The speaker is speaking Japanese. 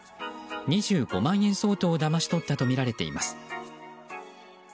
２５万円相当をだまし取ったとみられています。